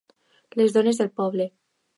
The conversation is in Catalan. Les dones del poble.